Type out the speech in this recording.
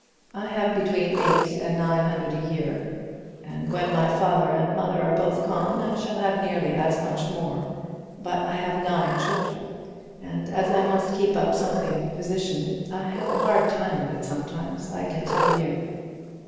I have between eight and nine hundred a year, and when my father and mother are both gone I shall have nearly as much more; but I have nine children, and as I must keep up something of a position, I have a hard time of it sometimes, I can tell you."